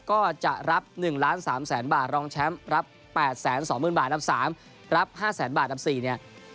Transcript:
ก็จะรับ๑ล้าน๓แสนบาทรองแชมป์รับ๘๒๐๐๐บาทอันดับ๓รับ๕แสนบาทอันดับ๔เนี่ย